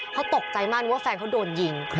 เขาตกใจมากว่าแฟนเขาโดนยิง